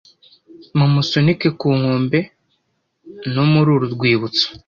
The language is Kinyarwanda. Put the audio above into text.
Mumusunike ku nkombe no muri uru rwibutso